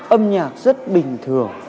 âm nhạc rất bình thường